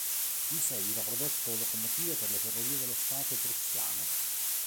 In seguito ha prodotto locomotive per le Ferrovie dello Stato prussiano.